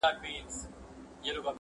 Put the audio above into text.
له رقیبه مي خنزیر جوړ کړ ته نه وې.!